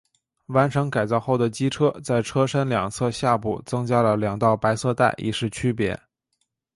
完成改造后的机车在车身两侧下部增加了两道白色带以示区别。